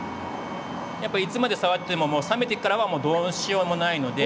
やっぱいつまで触ってももう冷めてからはどうしようもないので。